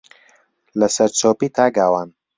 لەسەرچۆپی تا گاوان